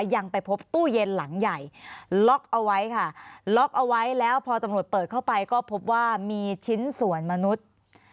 ยังไปพบตู้เย็นหลังใหญ่ล็อกเอาไว้ค่ะล็อกเอาไว้แล้วพอตำรวจเปิดเข้าไปก็พบว่ามีชิ้นส่วนมนุษย์